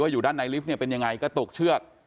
อยู่ด้านในลิฟต์เป็นยังไงก็ตกเชือก